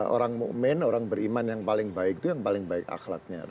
orang mu'min orang beriman yang paling baik itu yang paling baik akhlaknya